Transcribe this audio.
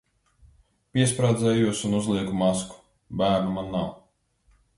Piesprādzējos un uzlieku masku. Bērnu man nav.